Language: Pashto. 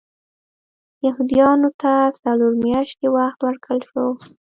یهودیانو ته څلور میاشتې وخت ورکړل شو.